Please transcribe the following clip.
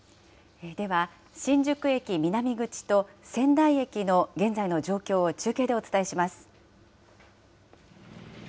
では、新宿駅南口と仙台駅の現在の状況を中継でお伝えします。